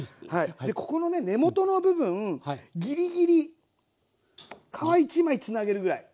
ここのね根元の部分ギリギリ皮一枚つなげるぐらい。